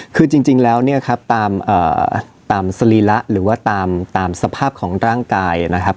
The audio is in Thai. คือจริงแล้วเนี่ยครับตามสรีระหรือว่าตามสภาพของร่างกายนะครับ